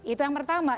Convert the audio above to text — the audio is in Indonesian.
itu yang pertama